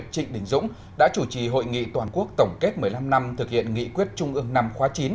trịnh đình dũng đã chủ trì hội nghị toàn quốc tổng kết một mươi năm năm thực hiện nghị quyết trung ương năm khóa chín